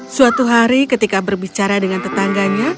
suatu hari ketika berbicara dengan tetangganya